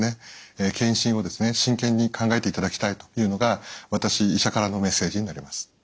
検診を真剣に考えていただきたいというのが私医者からのメッセージになります。